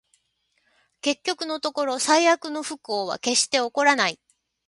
結局のところ、最悪の不幸は決して起こらない